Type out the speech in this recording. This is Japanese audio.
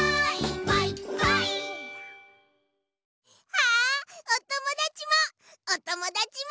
あおともだちもおともだちもだぐ！